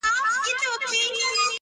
خو زه.